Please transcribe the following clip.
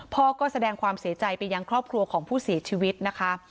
พ่อก็แสดงความเสียใจไปยังครอบครัวของผู้เสียชีวิตนะคะ